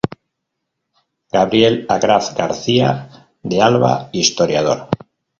Gabriel Agraz García de Alba: Historiador.